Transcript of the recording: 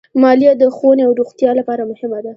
مالیه د ښوونې او روغتیا لپاره مهمه ده.